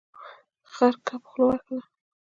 خړ کب خوله وهله.